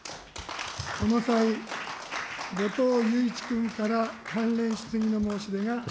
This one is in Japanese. この際、後藤祐一君から関連質疑の申し出がありました。